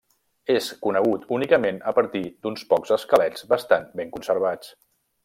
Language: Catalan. És conegut únicament a partir d'uns pocs esquelets bastant ben conservats.